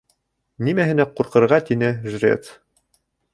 — Нимәһенә ҡурҡырға! — тине жрец.